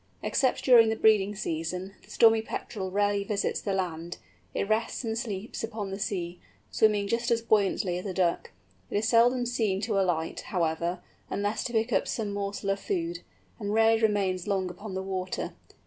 Except during the breeding season, the Stormy Petrel rarely visits the land; it rests and sleeps upon the sea, swimming just as buoyantly as a Duck. It is seldom seen to alight, however, unless to pick up some morsel of food, and rarely remains long upon the water.